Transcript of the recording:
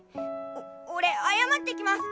お俺謝ってきます。